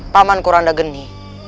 paman kuranda geni